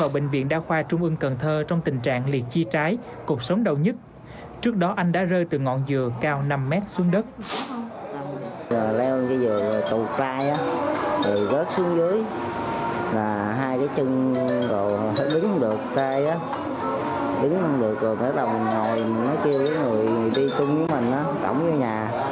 bệnh viện sóc trăng mới đưa lên thẳng lên đây